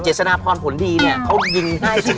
เจษนาพรผลดีเนี่ยเขายิง